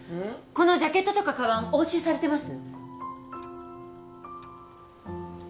このジャケットとかカバン押収されてます？